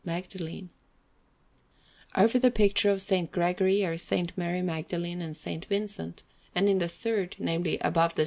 Magdalene. Over the picture of S. Gregory are S. Mary Magdalene and S. Vincent; and in the third namely, above the S.